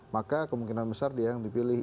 maka kemungkinan besar dia yang dipilih